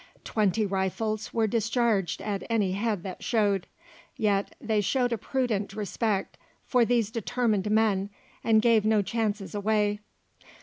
Twenty rifles were discharged at any head that showed; yet they showed a prudent respect for these determined men, and gave no chances away.